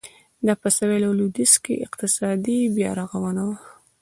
دا په سوېل او لوېدیځ کې اقتصادي بیارغونه وه.